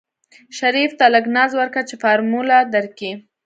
شريف ته لږ ناز ورکه چې فارموله درکي.